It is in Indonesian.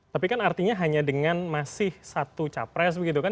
tapi kan artinya hanya dengan masih satu capres begitu kan